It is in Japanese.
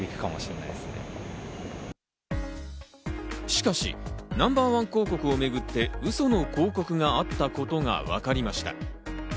しかしナンバーワン広告をめぐって、ウソの広告があったことがわかりました。